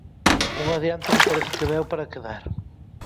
Un adianto que parece que veu para quedar.